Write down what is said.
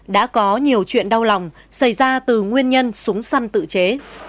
đã có nhiều chuyện đau lòng xảy ra từ nguyên nhân súng săn tự chế